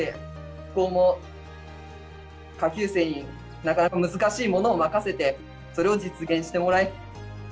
機構も下級生になかなか難しいものを任せてそれを実現してもらい。